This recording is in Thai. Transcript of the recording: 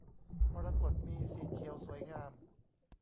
มรกต มีสีเขียว สวยงาม